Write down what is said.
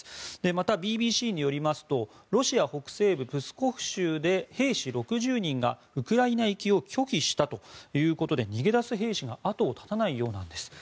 また、ＢＢＣによりますとロシア北西部プスコフ州で兵士６０人がウクライナ行きを拒否したということで逃げ出す兵士が後を絶たないようなんです。